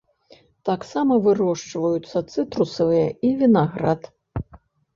Таксама вырошчваюцца цытрусавыя і вінаград.